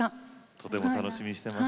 とても楽しみにしています。